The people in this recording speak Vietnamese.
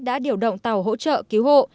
đã điều động tàu hỗ trợ cứu hộ